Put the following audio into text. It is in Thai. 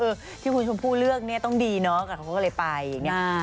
เออที่คุณผู้ชมเลือกเนี่ยต้องดีเนาะก็เขาก็เลยไปอย่างเงี้ย